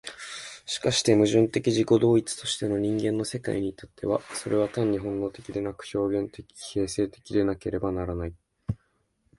しかして矛盾的自己同一としての人間の世界に至っては、それは単に本能的でなく、表現的形成的でなければならない。